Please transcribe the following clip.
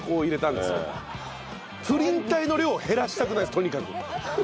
プリン体の量を減らしたくないんですとにかく。